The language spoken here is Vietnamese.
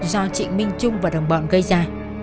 do trịnh minh trung và đồng bọn gây ra